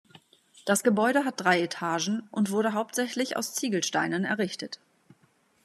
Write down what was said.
Das Gebäude hat drei Etagen und wurde hauptsächlich aus Ziegelsteinen errichtet.